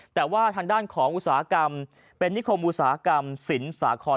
แต่ว่าทางด้านของอุตสาหกรรมเป็นนิคมอุตสาหกรรมสินสาคร